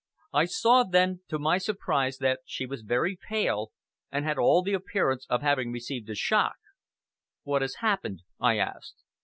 I saw then, to my surprise, that she was very pale, and had all the appearance of having received a shock. "What has happened?" I asked.